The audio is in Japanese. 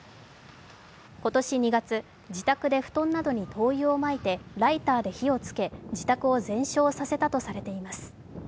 今年２月、自宅で布団などに灯油をまいてライターで火をつけ自宅を全焼させたとされています。